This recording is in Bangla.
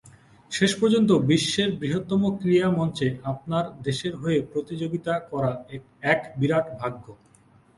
শেষ পর্যন্ত, বিশ্বের বৃহত্তম ক্রীড়া মঞ্চে আপনার দেশের হয়ে প্রতিযোগিতা করা এক বিরাট ভাগ্য।